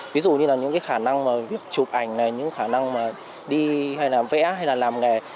ví dụ như là những cái khả năng mà biết chụp ảnh này những khả năng mà đi hay là vẽ hay là làm nghề